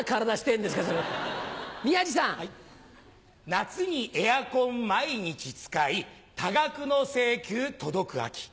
夏にエアコン毎日使い多額の請求届く秋。